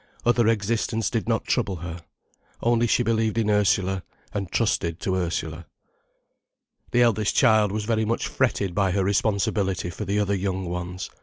Other existence did not trouble her. Only she believed in Ursula, and trusted to Ursula. The eldest child was very much fretted by her responsibility for the other young ones.